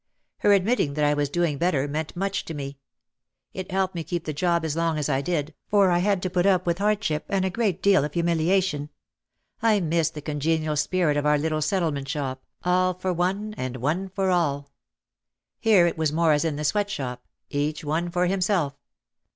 Her admitting that I was doing better meant much to me. It helped me keep the job as long as I did, for I had to put up with hardship and a great deal of hu miliation. I missed the congenial spirit of our little Settlement shop, all for one and one for all. Here it was more as in the sweatshop, each one for himself.